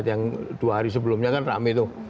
yang dua hari sebelumnya kan rame tuh